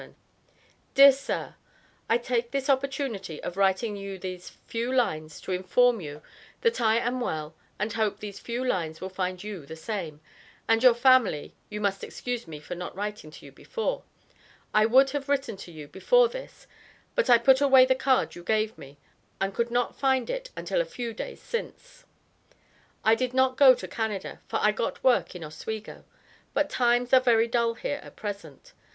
DEAR SIR: I take this opportunity of writing you these few lines to inform you that I am well and hope these few lines will find you the same (and your family you must excuse me for not writing to you before. I would have written to you before this but I put away the card you gave me and could not find it until a few days sins). I did not go to Canada for I got work in Oswego, but times are very dull here at present.